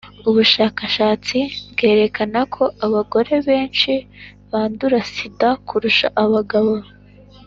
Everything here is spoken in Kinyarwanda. ubushakashatsi bwerekana ko abagore ben- shi bandura sida kurusha abagabo.